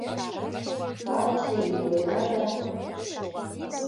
— Калыкше йӱклана да...